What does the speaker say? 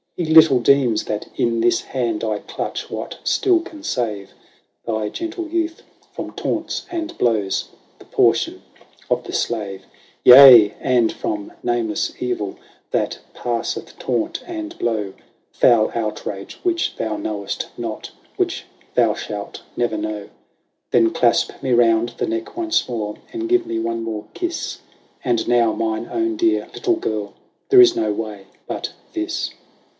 He little deems that in this hand I clutch what still can save Thy gentle youth from taunts and blows, the portion of the slave ; 168 LAYS OF ANCIENT ROME. Yea, and from nameless evil, that passeth taunt and blow — Foul outrage which thou knowest not, which thou shalt never know. Then clasp me round the neck once more, and give me one more kiss ; And now, mine own dear little girl, there is no way but this."